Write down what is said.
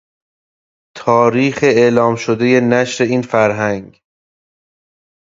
تاریخ اعلام شدهی نشر این فرهنگ